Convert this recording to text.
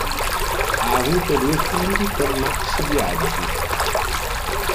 Ha avuto due figli con Max Biaggi.